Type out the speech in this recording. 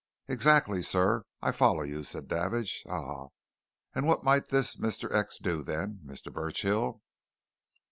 "Exactly, sir I follow you," said Davidge. "Ah! and what might this Mr. X. do then, Mr. Burchill?"